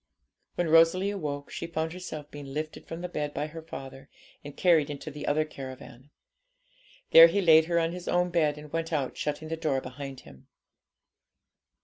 When Rosalie awoke, she found herself being lifted from the bed by her father, and carried into the other caravan. There he laid her on his own bed and went out, shutting the door behind him.